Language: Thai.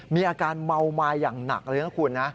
มีอาการเมามาอย่างหนักเลยนะคุณนะ